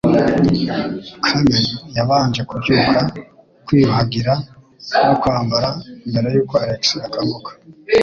Carmen yabanje kubyuka, kwiyuhagira no kwambara mbere yuko Alex akanguka.